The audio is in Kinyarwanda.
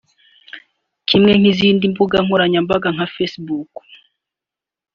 Kimwe nk’izindi mbuga nkoranyambaga nka Facebook